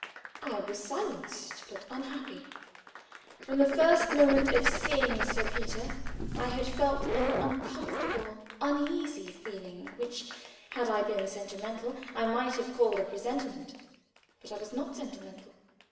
I was silenced, but unhappy. From the first moment of seeing Sir Peter, I had felt an uncomfortable, uneasy feeling, which, had I been sentimental, I might have called a presentiment, but I was not sentimental.